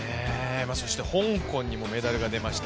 そして香港にもメダルが出ました。